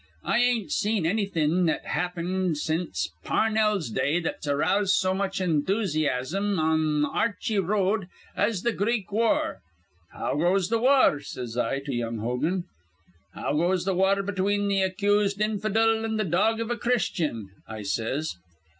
I ain't seen annything that happened since Parnell's day that's aroused so much enthusyasm on th' Ar rchey Road as th' Greek war. 'How goes th' war?' says I to young Hogan, 'How goes the war between th' ac cursed infidel an' th' dog iv a Christian?' I says.